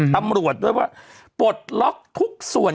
ถูกต้องถูกต้อง